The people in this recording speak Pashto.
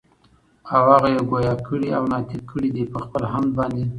او هغه ئي ګویا کړي او ناطق کړي دي پخپل حَمد باندي